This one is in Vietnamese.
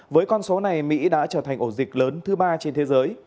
với con số này mỹ đã trở thành ổ dịch lớn thứ ba trên thế giới